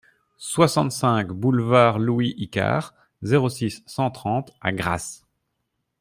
soixante-cinq boulevard Louis Icard, zéro six, cent trente à Grasse